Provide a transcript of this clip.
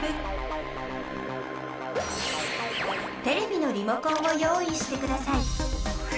テレビのリモコンを用意してください。